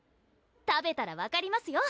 食べたら分かりますよ！